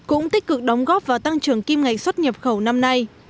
cũng tích cực đóng góp vào tăng trưởng kim ngạch xuất nhập khẩu năm nay